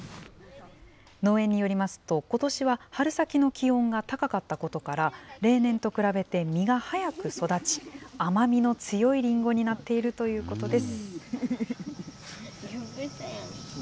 農園によりますと、ことしは春先の気温が高かったことから、例年と比べて実が早く育ち、甘みの強いりんごになっているということです。